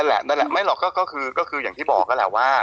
นั่นแหละนั่นแหละไม่หรอกก็คืออย่างที่บอกนั่นแหละว่า